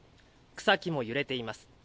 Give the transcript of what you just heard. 草木も揺れています。